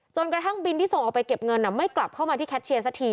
กระทั่งบินที่ส่งออกไปเก็บเงินไม่กลับเข้ามาที่แคทเชียร์สักที